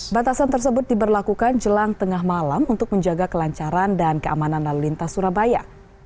batasan tersebut diberlakukan jelang tengah malam untuk menjaga kelancaran dan keamanan lalu lintas surabaya